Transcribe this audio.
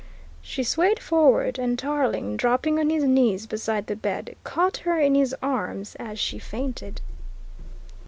She swayed forward, and Tarling, dropping on his knees beside the bed, caught her in his arms as she fainted.